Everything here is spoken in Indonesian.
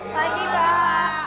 selamat pagi pak